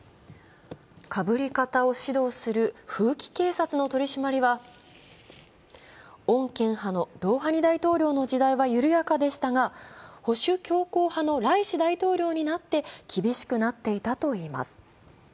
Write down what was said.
かぶり方を指導する風紀警察の指導は、穏健派のロウハニ大統領の時代は緩やかでしたが保守強硬派のライシ大統領になって厳しくなっていたといいます。